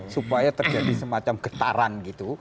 supaya terjadi semacam getaran gitu